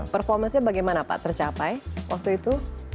performasinya bagaimana pak tercapai waktu itu